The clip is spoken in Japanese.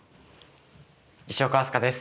石岡飛鳥です。